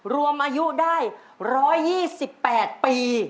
รวมอายุได้๑๒๘ปี